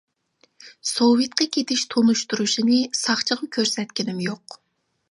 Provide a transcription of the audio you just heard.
سوۋېتقا كېتىش تونۇشتۇرۇشىنى ساقچىغا كۆرسەتكىنىم يوق.